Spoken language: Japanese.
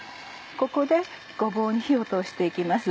ここでごぼうに火を通して行きます。